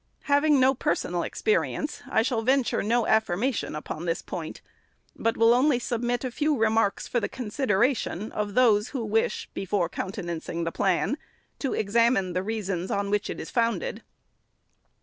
Having no personal experience, I shall venture no affirmation upon this point ; but will only submit a few remarks for the consideration of those, who wish, before countenancing the plan, to examine the reasons on which it is founded.